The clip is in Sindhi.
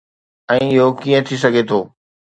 ۽ اهو ڪيئن ٿي سگهي ٿو؟